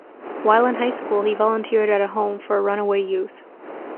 While in high school, he volunteered at a home for runaway youth.